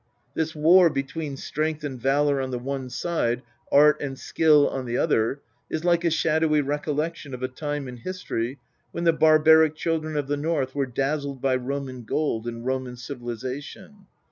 This war between strength and valour on the one side, art and skill on the other, is like a shadowy recollection of a time in history, when the barbaric children of the North were dazzled by Roman gold and Roman civilisation.